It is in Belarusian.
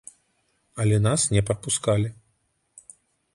Але нас не прапускалі.